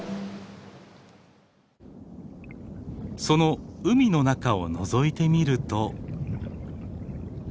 その海の中をのぞいてみると。